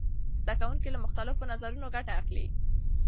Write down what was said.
زده کوونکي له مختلفو نظرونو ګټه اخلي.